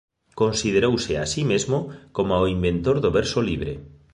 Considerouse a si mesmo coma o inventor do verso libre.